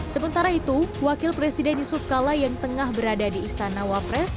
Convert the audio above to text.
sementara itu wakil presiden yusuf kala yang tengah berada di istana wapres